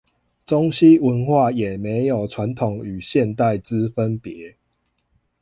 中西文化也沒有傳統與現代之分別